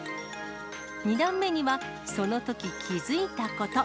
２段目には、そのとき気付いたこと。